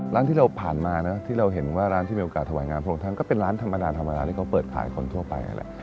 ร้านที่เราผ่านมานะที่เราเห็นว่าร้านที่มีโอกาสถวายงานพระองค์ท่านก็เป็นร้านธรรมดาธรรมดาที่เขาเปิดขายคนทั่วไปนั่นแหละ